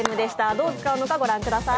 どう使うのか御覧ください。